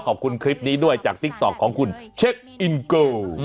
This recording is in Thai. ขอบคุณคลิปนี้ด้วยจากติ๊กต๊อกของคุณเช็คอินโก